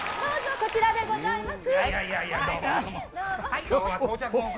こちらでございます。